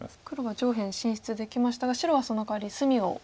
黒は上辺進出できましたが白はそのかわり隅を。